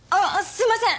すいません